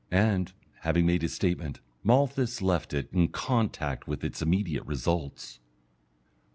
And, having made his statement, Malthus left it, in contact with its immediate results.